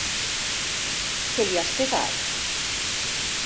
Que li has pegat?